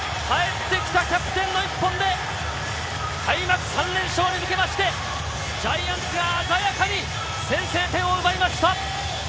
帰ってきたキャプテンの一本で開幕３連勝に向けて、ジャイアンツが鮮やかに先制点を奪いました。